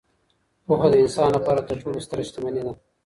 پوهه د انسان لپاره تر ټولو ستره شتمني ده.